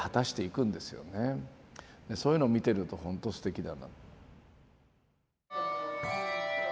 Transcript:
そういうの見てるとほんとすてきだな。